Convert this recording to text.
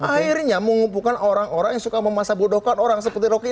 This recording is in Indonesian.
akhirnya mengumpulkan orang orang yang suka memasak bodohkan orang seperti rocky